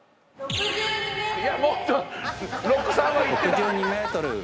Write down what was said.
６２ｍ。